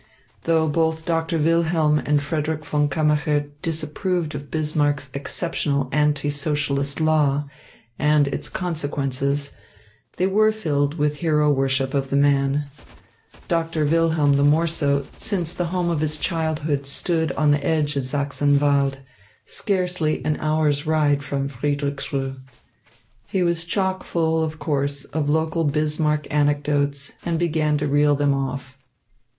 Though both Doctor Wilhelm and Frederick von Kammacher disapproved of Bismarck's exceptional anti Socialist law and its consequences, they were filled with hero worship of the man, Doctor Wilhelm the more so, since the home of his childhood stood on the edge of Sachsenwald, scarcely an hour's ride from Friedrichsruh. He was choke full, of course, of local Bismarck anecdotes and began to reel them off.